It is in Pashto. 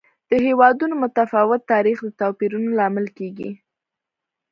د هېوادونو متفاوت تاریخ د توپیرونو لامل کېږي.